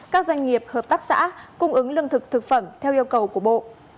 các doanh nghiệp hợp tác xã cung ứng lương thực thực phẩm theo yêu cầu của bộ